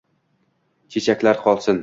Chechaklar qolsin